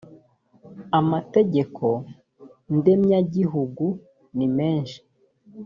amategeko ndemyagihugu nimeshi.